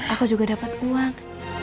aku juga dapet uang